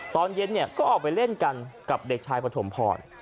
ตอนเย็นก็ออกไปเล่นกันกับเด็กชายปฐมพร